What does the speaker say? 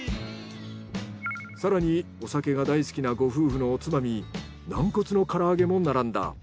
更にお酒が大好きなご夫婦のおつまみ軟骨の唐揚げも並んだ。